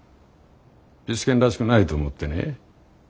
ピス健らしくないと思ってね。